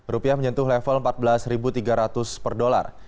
rupiah menyentuh level rp empat belas tiga ratus per dolar